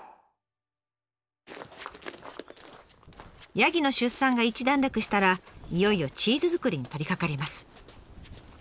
ヤギの出産が一段落したらいよいよチーズ作りに取りかかります。